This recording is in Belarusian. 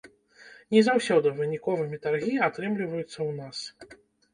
Не заўсёды выніковымі таргі атрымліваюцца ў нас.